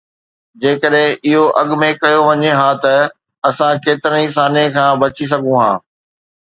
جيڪڏهن اهو اڳ ۾ ڪيو وڃي ها ته اسان ڪيترن ئي سانحي کان بچي سگهون ها.